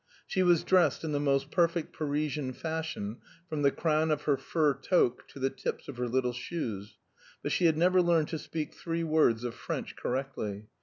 She was dressed in the most perfect Parisian fashion, from the crown of her fur toque to the tips of her little shoes; but she had never learned to speak three words of French correctly.